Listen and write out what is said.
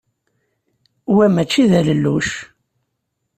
Wa mačči d alelluc!